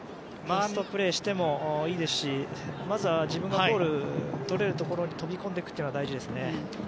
ポストプレーをしてもいいですしまずは自分がゴール取れるところに飛び込んでいくのが大事ですね。